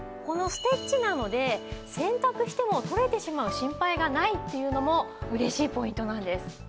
ステッチなので洗濯しても取れてしまう心配がないっていうのも嬉しいポイントなんです。